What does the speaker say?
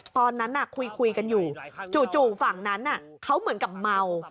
ตอนนั้นคุยกันอยู่จู่ฝั่งนั้นเขาเหมือนกับเมา